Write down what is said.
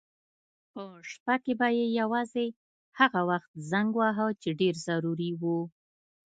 په شپه کې به یې یوازې هغه وخت زنګ واهه چې ډېر ضروري و.